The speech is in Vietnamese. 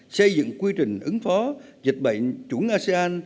xây dựng quy trình ứng phó dịch bệnh chủng asean